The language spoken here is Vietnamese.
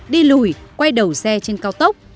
đi lùi quay đầu xe trên cao tốc